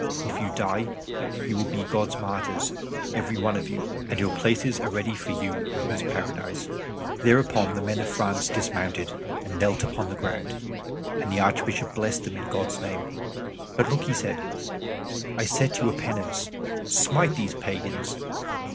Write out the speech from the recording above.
If you die, you will be God's martyrs, every one of you, and your places are ready for you in His Paradise." Thereupon the men of France dismounted, and knelt upon the ground, and the Archbishop blessed them in God's name. "But look," said he, "I set you a penance smite these pagans."